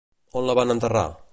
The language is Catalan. On la van enterrar?